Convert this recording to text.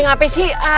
ini apa sih